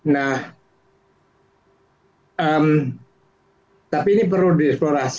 nah tapi ini perlu di eksplorasi